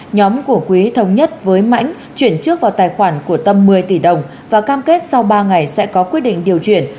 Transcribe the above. nhóm của quý thống nhất với mãnh chuyển trước vào tài khoản của tâm một mươi tỷ đồng và cam kết sau ba ngày sẽ có quyết định điều chuyển